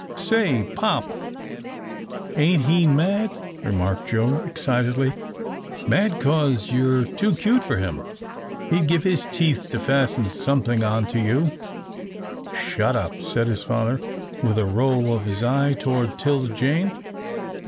"Say, pop, ain't he mad?" remarked Joe, excitedly. "Mad 'cause you're too cute for him. He'd give his teeth to fasten something on to you." "Shut up," said his father, with a roll of his eye toward 'Tilda Jane.